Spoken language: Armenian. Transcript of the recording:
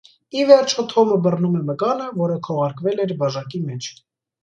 Ի վերջո Թոմը բռնում է մկանը, որը քողարկվել էր բաժակի մեջ։